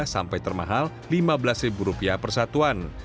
sampai termahal rp lima belas persatuan